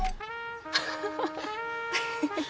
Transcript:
アハハハハ。